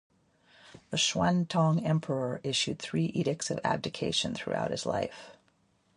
The Xuantong Emperor issued three edicts of abdication throughout his life.